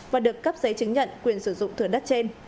và được cấp giấy chứng nhận quyền sử dụng thửa đất trên